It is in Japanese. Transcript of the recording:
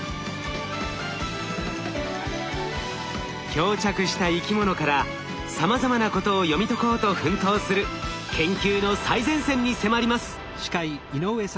漂着した生き物からさまざまなことを読み解こうと奮闘する研究の最前線に迫ります。